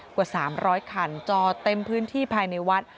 กว่า๓๐๐คันจอดเต็มพื้นที่ภายในวัด